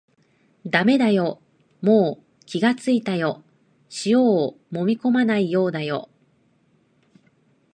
だめだよ、もう気がついたよ、塩をもみこまないようだよ